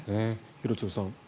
廣津留さん。